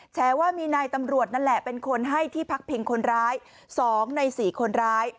แชร์ว่ามีนายตำรวจนั่นแหละเป็นคนให้ที่พักพิงคนร้าย๒ใน๔คนร้าย